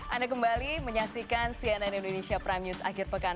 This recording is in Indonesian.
anda kembali menyaksikan cnn indonesia prime news akhir pekan